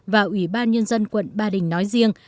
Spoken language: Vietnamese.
và ủy ban nhân dân quận ba đình nói riêng